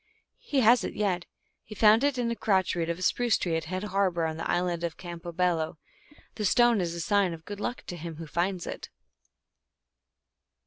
He has it yet. He found it in a crotch root of a spruce tree at Head Harbor, on the island of Campobello. This stone is a sign of good luck to him who finds it.